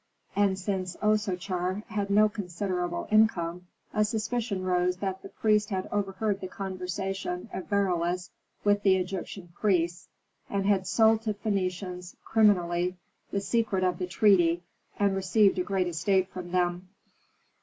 And since Osochar had no considerable income, a suspicion rose that that priest had overheard the conversation of Beroes with the Egyptian priests, and had sold to Phœnicians, criminally, the secret of the treaty, and received a great estate from them.